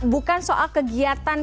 bukan soal kegiatan